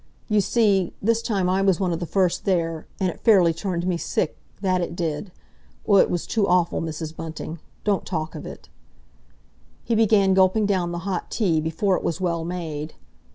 You see, this time I was one of the first there, and it fairly turned me sick—that it did. Oh, it was too awful, Mrs. Bunting! Don't talk of it." He began gulping down the hot tea before it was well made.